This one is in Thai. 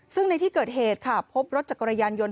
ซึ่งในที่เกิดเหตุค่ะพบรถจักรยานยนต